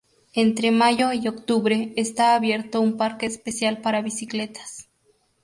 Entre mayo y octubre está abierto un parque especial para bicicletas.